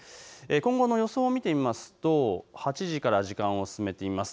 今後の予想を見てみますと８時から時間を進めてみます。